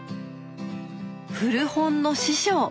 古本の師匠！